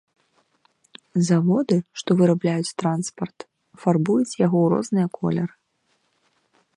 Заводы, што вырабляюць транспарт, фарбуюць яго у розныя колеры.